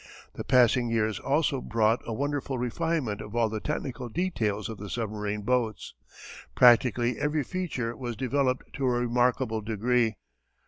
The passing years also brought a wonderful refinement of all the technical details of the submarine boats. Practically every feature was developed to a remarkable degree.